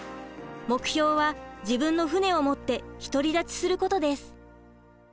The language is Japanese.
目標は自分の船を持って独り立ちすることです。